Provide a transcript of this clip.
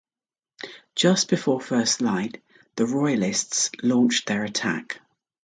Just before first light, the Royalists launched their attack.